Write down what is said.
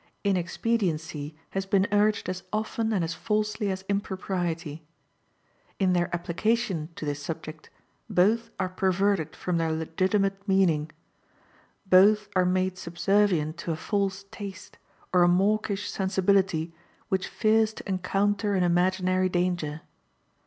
Inexpediency has been urged as often and as falsely as impropriety. In their application to this subject, both are perverted from their legitimate meaning; both are made subservient to a false taste, or a mawkish sensibility which fears to encounter an imaginary danger.